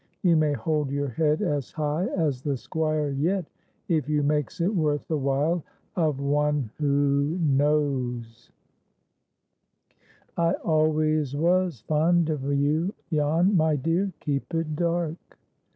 You may hold your head as high as the Squire yet, if you makes it worth the while of One who knows. I always was fond of you, Jan, my dear. Keep it dark."